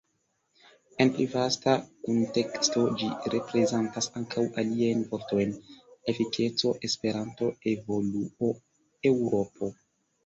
En pli vasta kunteksto ĝi reprezentas ankaŭ aliajn vortojn: Efikeco, Esperanto, Evoluo, Eŭropo.